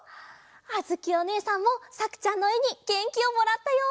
あづきおねえさんもさくちゃんのえにげんきをもらったよ！